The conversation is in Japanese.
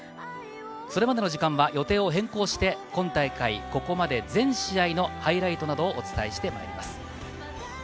それまでの時間は予定を変更して、今大会ここまで全試合のハイライトなどをお伝えしてまいります。